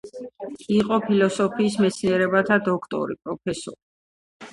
იყო ფილოსოფიის მეცნიერებათა დოქტორი, პროფესორი.